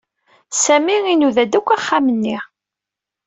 Sami inuda-d akk axxam-nni.